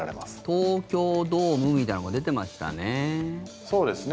東京ドームみたいなのも出ていましたね。